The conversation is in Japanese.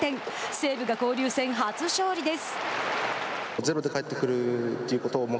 西武が交流戦初勝利です。